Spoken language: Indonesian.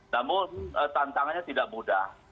namun tantangannya tidak mudah